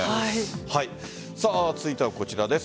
続いてはこちらです。